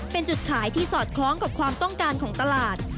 เป็นจุดขายที่สอดคล้องกับความต้องการของตลาด